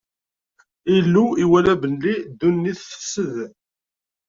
Illu iwala belli ddunit tefsed.